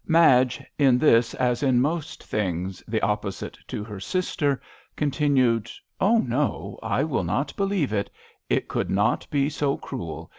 Madge, in this as in most things the opposite to her sister, continued :Oh, no, I will not believe it; it could not be so cruel.